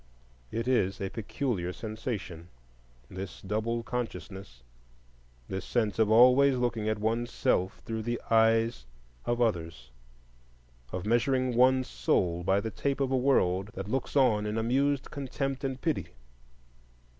It is a peculiar sensation, this double consciousness, this sense of always looking at one's self through the eyes of others, of measuring one's soul by the tape of a world that looks on in amused contempt and pity.